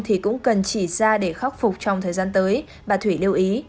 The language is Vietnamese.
thì cũng cần chỉ ra để khắc phục trong thời gian tới bà thủy lưu ý